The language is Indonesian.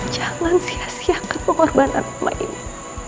jangan sia siakan pengorbanan rumah ini